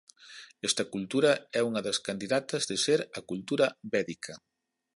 Esta cultura é unha das candidatas de ser a cultura védica.